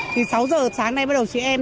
thì sáu giờ sáng nay bắt đầu chị em